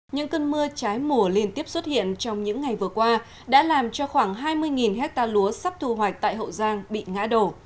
những cơn mưa trái mùa liên tiếp xuất hiện trong những ngày vừa qua đã làm cho khoảng hai mươi hectare lúa sắp thu hoạch tại hậu giang bị ngã đổ